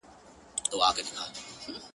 غلیمان د پایکوبونو به په ګور وي-